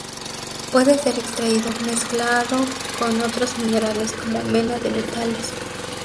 Puede ser extraído mezclado con otros minerales como mena de metales.